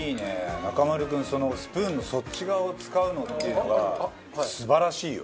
中丸君そのスプーンのそっち側を使うのっていうのが素晴らしいよ！